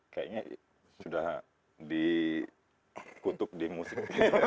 kayaknya sudah dikutuk di musik